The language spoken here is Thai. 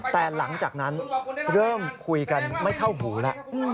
แต่หลังจากนั้นเริ่มคุยกันไม่เข้าหูแล้ว